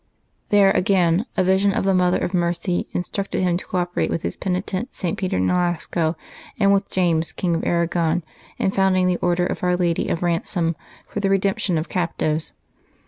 There, again, a vision of the Mother of Mercy in structed him to cooperate with his penitent St. Peter Nolasco, and with James, King of Aragon, in founding the Order of Our Lady of Ransom for the Redemption of Cap tives.